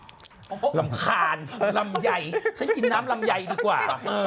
รำคาญลำไยฉันกินน้ำลำไยดีกว่า